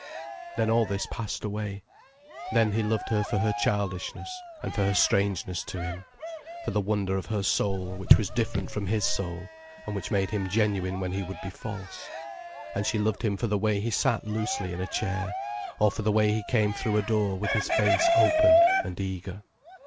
Then all this passed away. Then he loved her for her childishness and for her strangeness to him, for the wonder of her soul which was different from his soul, and which made him genuine when he would be false. And she loved him for the way he sat loosely in a chair, or for the way he came through a door with his face open and eager.